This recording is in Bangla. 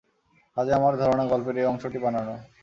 কাজেই আমার ধারণা, গল্পের এই অংশটি বানানো।